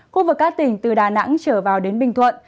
khu vực các tỉnh từ đà nẵng trở vào đến bình thuận